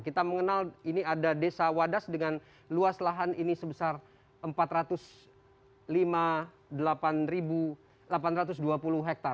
kita mengenal ini ada desa wadas dengan luas lahan ini sebesar empat ratus lima puluh delapan delapan ratus dua puluh hektare